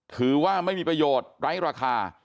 ถือว่าไม่มีประโยชน์ไร้ราคา